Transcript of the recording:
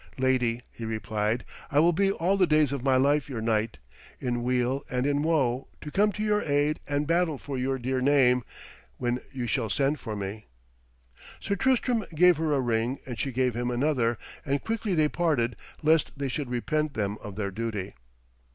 'Lady,' he replied, 'I will be all the days of my life your knight, in weal and in woe, to come to your aid and battle for your dear name, when you shall send for me.' Sir Tristram gave her a ring, and she gave him another, and quickly they parted, lest they should repent them of their duty.